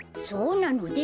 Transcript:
そうなの？